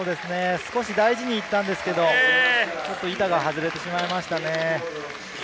少し大事にいったんですけれど、板が外れてしまいましたね。